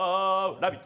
「ラヴィット！」